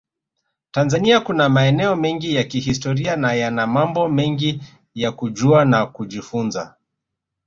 Tanzania kuna maeneo mengi ya kihistoria na yana mambo mengi ya kujua na kujifunza